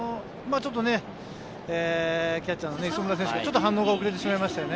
ちょっとキャッチャーの磯村選手の反応が遅れてしまいましたね。